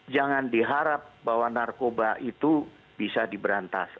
jangan diharap bahwa narkoba itu bisa diberantas